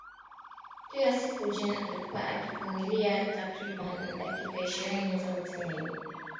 kila siku Jane alikuwa akivumilia takribani dakika ishirini za uchungu